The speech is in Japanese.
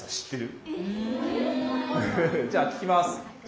じゃあ聞きます。